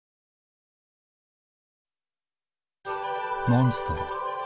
モンストロ。